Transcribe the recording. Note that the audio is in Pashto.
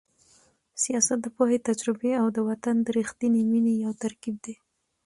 سیاست د پوهې، تجربې او د وطن د رښتینې مینې یو ترکیب دی.